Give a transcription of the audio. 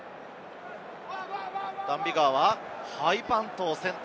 ダン・ビガーはハイパントを選択。